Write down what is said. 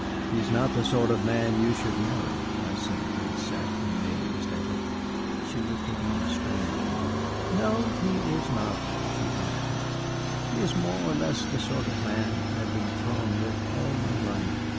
"He is not the sort of man you should marry," I said, and sat amazed at it. She looked at me strangely. "No, he is not," she answered. "He is more or less the sort of man I have been thrown with all my life.